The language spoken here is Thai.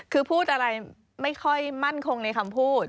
คือพูดอะไรไม่ค่อยมั่นคงในคำพูด